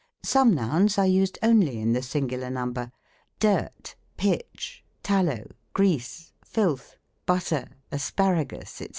Some nouns are used only in the singular nurnber; dirt, pitch, tallow, grease, filth, butter, asparagus, &c.